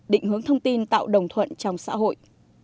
định hướng thông tin tạo đồng thuận trong xã hội